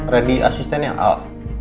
randy asisten yang al